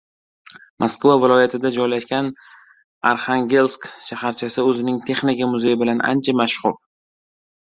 Moskva viloyatida joylashgan Arxangelsk shaharchasi o‘zining Texnika muzeyi bilan ancha mashhur.